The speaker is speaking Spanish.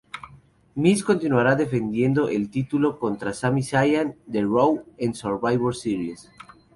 Miz continuará defendiendo el título contra Sami Zayn de Raw en Survivor Series.